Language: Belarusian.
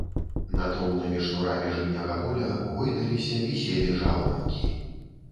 Над роўнымі шнурамі жытняга поля гойдаліся, віселі жаўранкі.